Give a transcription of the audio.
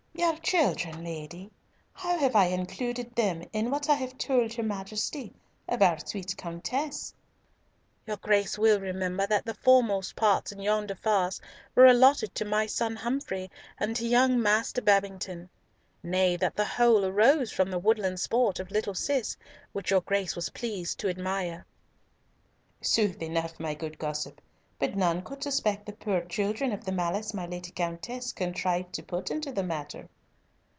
"Your children, lady! How have I included them in what I have told her Majesty of our sweet Countess?" "Your Grace will remember that the foremost parts in yonder farce were allotted to my son Humfrey and to young Master Babington. Nay, that the whole arose from the woodland sport of little Cis, which your Grace was pleased to admire." "Sooth enough, my good gossip, but none could suspect the poor children of the malice my Lady Countess contrived to put into the matter."